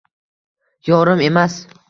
Yorim emas